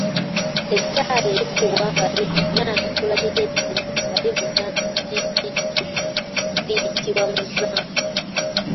"Ettaali erikubwa nga lyanukula liri eddene nga livuga nti “ddi, ddi, ddi” liyitibwa Muzaamu."